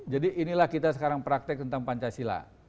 jadi inilah kita sekarang praktek tentang pancasila